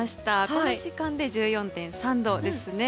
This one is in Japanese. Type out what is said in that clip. この時間で１４．３度ですね。